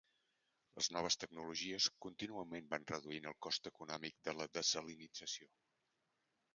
Les noves tecnologies contínuament van reduint el cost econòmic de la dessalinització.